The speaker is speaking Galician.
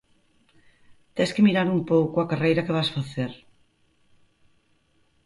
Tes que mirar un pouco a carreira que vas facer.